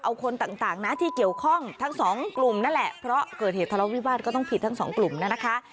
เอาคนต่างนะที่เกี่ยวข้องทั้งสองกลุ่มนั่นแหละเพราะเกิดเหตุทะเลาวิวาสก็ต้องผิดทั้งสองกลุ่มนะคะ